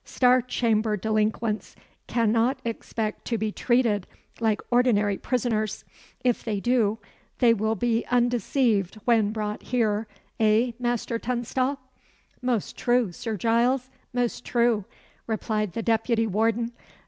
Star Chamber delinquents cannot expect to be treated like ordinary prisoners. If they do, they will be undeceived when brought here eh, Master Tunstall?" "Most true, Sir Giles, most true!" replied the deputy warden.